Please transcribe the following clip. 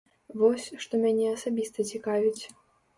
Вось, што мяне асабіста цікавіць.